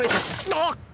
あっ！